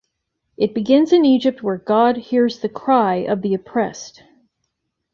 It begins in Egypt where God "hears the cry" of the oppressed.